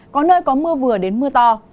có nơi có mưa vừa đến mưa to